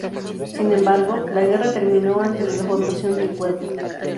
Sin embargo, la guerra terminó antes de la formación del Cuerpo.